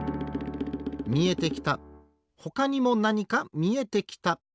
みえてきたほかにもなにかみえてきた。